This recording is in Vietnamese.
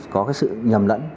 có sự nhầm lẫn